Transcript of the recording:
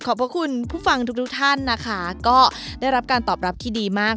พระคุณผู้ฟังทุกท่านนะคะก็ได้รับการตอบรับที่ดีมาก